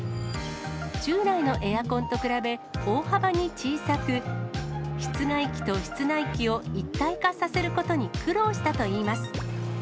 従来のエアコンと比べ、大幅に小さく、室外機と室内機を一体化させることに苦労したといいます。